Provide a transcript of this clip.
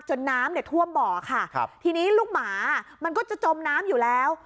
จฉนะน้ำทั่วเบาะค่ะครับทีนี้ลูกหมามันก็จะจมน้ำอยู่แล้ว